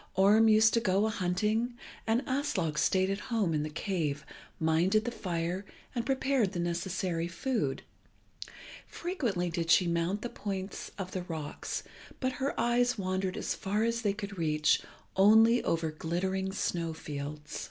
Orm used to go a hunting, and Aslog stayed at home in the cave, minded the fire, and prepared the necessary food. Frequently did she mount the points of the rocks, but her eyes wandered as far as they could reach only over glittering snow fields.